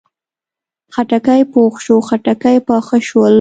خټکی پوخ شو، خټکي پاخه شول